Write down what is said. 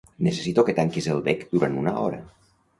Necessito que tanquis el bec durant una hora.